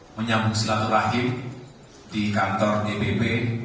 menyambung silaturahim di kantor dpp